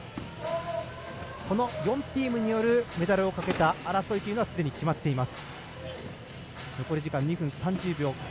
この４チームによるメダルをかけた争いというのはすでに決まっています。